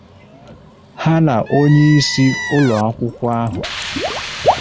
ha na onyeisi ụlọakwụkwọ ahụ